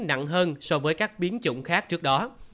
nặng hơn so với các biến chủng khác trước đó